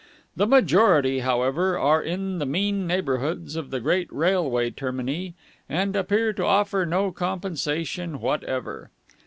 The majority, however, are in the mean neighbourhoods of the great railway termini, and appear to offer no compensation whatever.